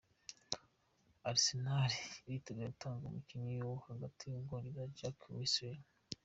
Arsenal irteguye gutanga umukinyi wo hagati w’Ubwongereze, Jack Wilshere.